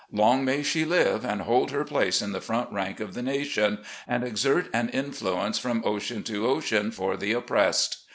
Long may she live, and hold her place in the front rank of the nation, and exert an influence from ocean to ocean for the oppressed.